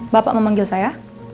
bapak memanggil saya